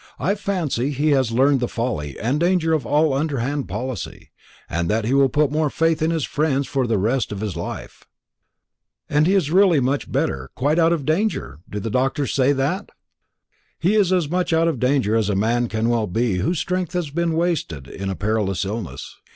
"I fancy he has learned the folly and danger of all underhand policy, and that he will put more faith in his friends for the rest of his life." "And he is really much better, quite out of danger? Do the doctors say that?" "He is as much out of danger as a man can well be whose strength has all been wasted in a perilous illness.